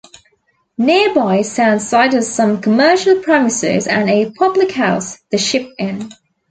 Nearby Sandside has some commercial premises and a public house, The Ship Inn.